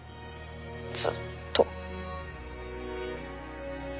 ずっと。